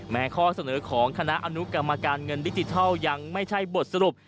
ข้อเสนอของคณะอนุกรรมการเงินดิจิทัลยังไม่ใช่บทสรุป